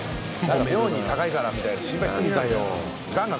妙に高いからみたいな心配し過ぎ。